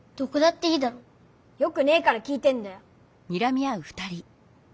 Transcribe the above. よくねえから聞いてんだよ。